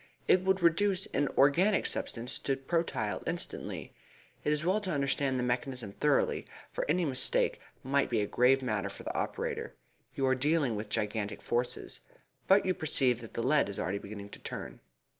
"It would reduce an organic substance to protyle instantly. It is well to understand the mechanism thoroughly, for any mistake might be a grave matter for the operator. You are dealing with gigantic forces. But you perceive that the lead is already beginning to turn."